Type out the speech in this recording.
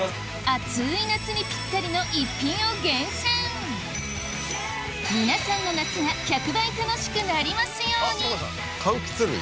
暑い夏にぴったりの逸品を厳選皆さんの夏が１００倍楽しくなりますように柑橘類。